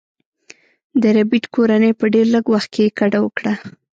د ربیټ کورنۍ په ډیر لږ وخت کې کډه وکړه